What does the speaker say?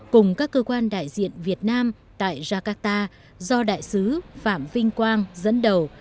cùng các cơ quan đại diện việt nam tại jakarta do đại sứ phạm vinh quang dẫn đầu